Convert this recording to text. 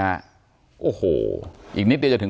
การแก้เคล็ดบางอย่างแค่นั้นเอง